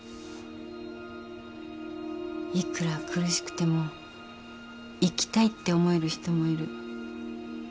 いくら苦しくても生きたいって思える人もいる。